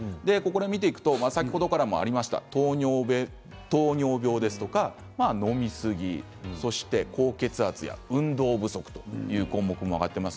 見ていくと先ほどからもありました糖尿病飲みすぎ、高血圧や運動不足という項目も挙がっています。